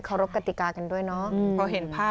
เคารพกติกากันด้วยเนอะ